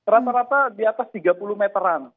rata rata di atas tiga puluh meteran